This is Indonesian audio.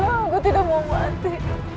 aku tidak mau mati